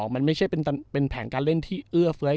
มันไม่ใช่เป็นแผนการเล่นที่เอื้อเฟ้ย